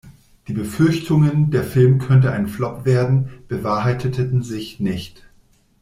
Die Befürchtungen, der Film könnte ein Flop werden, bewahrheiteten sich nicht.